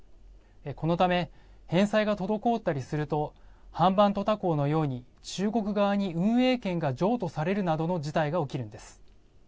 このため、返済が滞ったりするとハンバントタ港のように中国側に運営権が譲渡されるなどの事態が起きるんです。